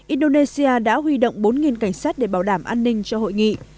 indonesia đã huy động bốn cảnh sát để bảo đảm an ninh cho hội nghị